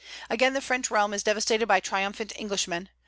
Again the French realm is devastated by triumphant Englishmen.